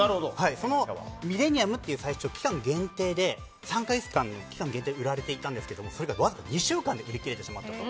そのミレニアムという最初、期間限定で３か月間の期間限定で売られていたんですけどそれがわずか２週間で売り切れてしまった。